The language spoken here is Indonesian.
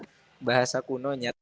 kalau bahasa kunonya